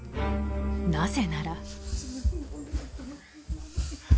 ［なぜなら］